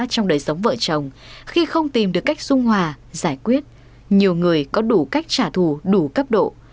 trong đời sống vợ chồng khi không tìm được cách dung hòa giải quyết nhiều người có đủ cách trả thù đủ cấp độ